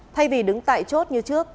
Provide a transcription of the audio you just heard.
thay vì đứng tại chốt như trước